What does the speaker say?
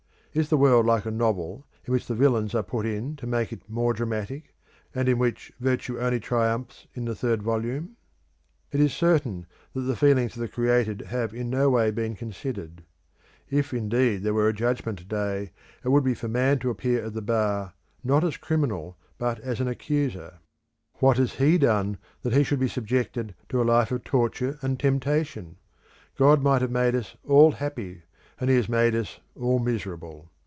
Is the world like a novel in which the villains are put in to make it more dramatic, and in which virtue only triumphs in the third volume? It is certain that the feelings of the created have in no way been considered. If indeed there were a judgment day it would be for man to appear at the bar not as criminal but as an accuser. What has he done that he should be subjected to a life of torture and temptation? God might have made us all happy, and he has made us all miserable.